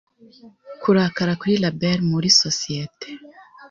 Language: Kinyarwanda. Kurakara kuri label muri societe ...